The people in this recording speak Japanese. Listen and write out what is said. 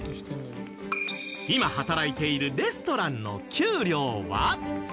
今働いているレストランの給料は？